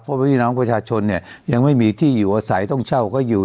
เพราะพี่น้องประชาชนเนี่ยยังไม่มีที่อยู่อาศัยต้องเช่าเขาอยู่